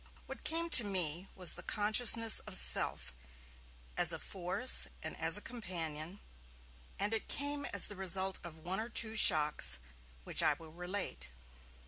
What came to me was the consciousness of self, as a force and as a companion, and it came as the result of one or two shocks, which I will relate.